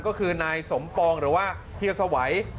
ก็คือนายสมปองหรือว่าเฮียสวัย